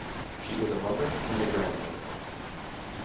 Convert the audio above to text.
She is a mother and grandmother.